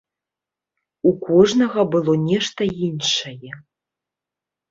У кожнага было нешта іншае.